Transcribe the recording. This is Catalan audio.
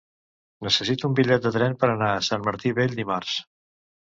Necessito un bitllet de tren per anar a Sant Martí Vell dimarts.